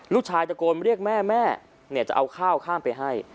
ลูกชายตะโกนเรียกแม่แม่จะเอาข้าวข้ามไปให้